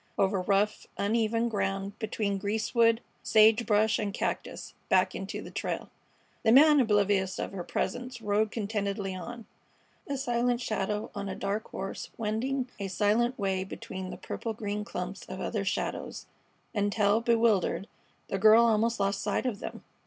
Over rough, uneven ground, between greasewood, sage brush, and cactus, back into the trail. The man, oblivious of her presence, rode contentedly on, a silent shadow on a dark horse wending a silent way between the purple green clumps of other shadows, until, bewildered, the girl almost lost sight of them.